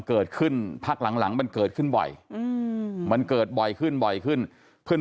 เกิดขึ้นพักหลังหลังมันเกิดขึ้นบ่อยมันเกิดบ่อยขึ้นบ่อยขึ้นเพื่อน